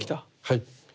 はい。